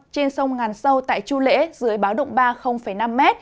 trên sông ngàn sâu tại chu lễ dưới báo động ba năm m